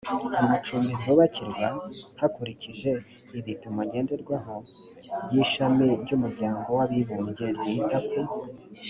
amacumbi zubakirwa hakurikije ibipimo ngenderwaho by ishami ry umuryango w abibumbye ryita ku